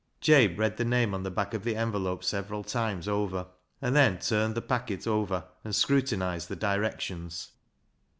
Jabe read the name on the back of the envelope several times over, and then turned the packet over and scrutinised the directions.